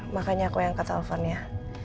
makanya aku yang angkat telfonnya